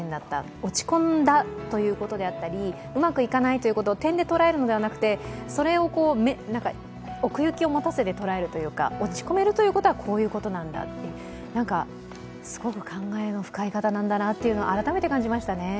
落ち込んだということであったり、うまくいかないということを点で捉えるのではなくて、それを奥行きを持たせて捉えるというか落ち込めるということはこういうことなんだと、すごく考えの深い方なんだなと改めて感じましたね。